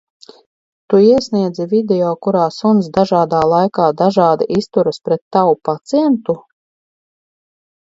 Tu iesniedzi video, kurā suns dažādā laikā dažādi izturas pret tavu pacientu?